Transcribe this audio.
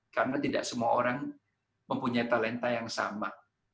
karena tidak semua orang mempunyai talenta yang sama